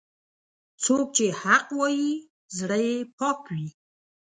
څوک چې حق وايي، زړه یې پاک وي.